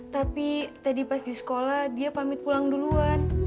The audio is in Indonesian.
tapi tadi pas di sekolah dia pamit pulang duluan